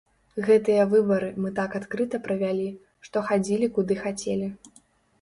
Гэтыя выбары мы так адкрыта правялі, што хадзілі куды хацелі.